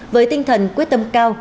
với tinh thần quyết tâm cao